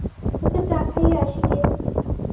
ওঁকে চা খাইয়ে আসি গে।